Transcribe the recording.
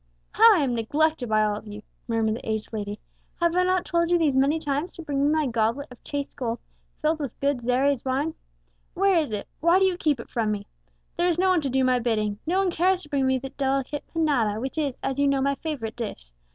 "How I am neglected by all of you!" murmured the aged lady. "Have I not told you these many times to bring me my goblet of chased gold, filled with good Xeres wine? Where is it why do you keep it from me? There is no one to do my bidding, no one cares to bring me the delicate panada which is, as you know, my favourite dish.